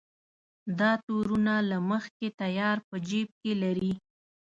دا تورونه له مخکې تیار په جېب کې لري.